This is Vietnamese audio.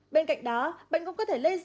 bên cạnh đó bệnh cũng có thể lây dịch